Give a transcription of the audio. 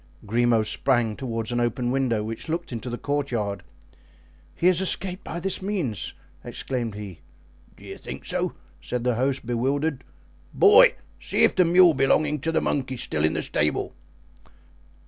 Grimaud sprang toward an open window which looked into the courtyard. "He has escaped by this means," exclaimed he. "Do you think so?" said the host, bewildered; "boy, see if the mule belonging to the monk is still in the stable."